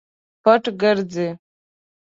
پټ ګرځي.